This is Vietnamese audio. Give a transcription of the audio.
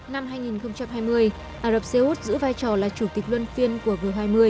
năm hai nghìn hai mươi ả rập xê út giữ vai trò là chủ tịch luân phiên của g hai mươi